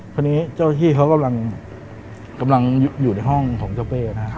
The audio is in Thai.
คราวนี้เจ้าที่เขากำลังอยู่ในห้องของเจ้าเป้นะครับ